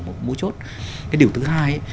một mối chốt cái điều thứ hai